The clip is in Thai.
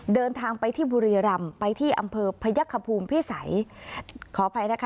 เดินทางไปที่บุรีรำไปที่อำเภอพยักษภูมิพิสัยขออภัยนะคะ